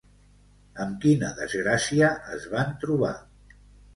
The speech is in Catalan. Amb quina desgràcia es van trobar?